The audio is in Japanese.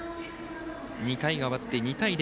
２回が終わって２対０。